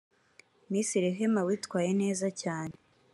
Miss Rehema witwaye neza cyane